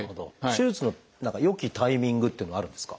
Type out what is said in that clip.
手術の良きタイミングっていうのはあるんですか？